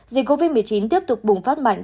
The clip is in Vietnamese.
dịch covid một mươi chín tiếp tục bùng phát mạnh